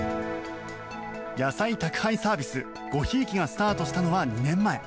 野菜宅配サービス、ゴヒイキがスタートしたのは２年前。